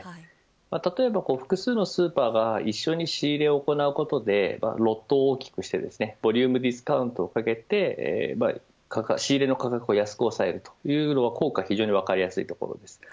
例えば複数のスーパーが一緒に仕入れを行うことでロットを大きくしてボリュームディスカウントを下げて仕入れの価格を安く抑えるという効果は非常に分かりやすいです。